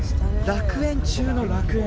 楽園中の楽園。